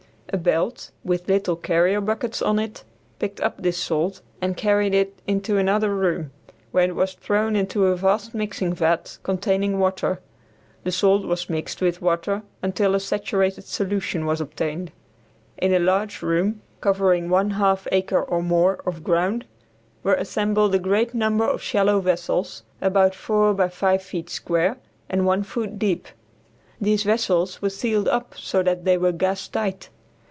A belt with little carrier buckets on it picked up this salt and carried it into another room, where it was thrown into a vast mixing vat containing water. The salt was mixed with water until a saturated solution was obtained. In a large room, covering one half acre or more of ground, were assembled a great number of shallow vessels, about 4 by 5 feet square and 1 foot deep. These vessels were sealed up so that they were gas tight.